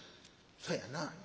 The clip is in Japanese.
『そやな』。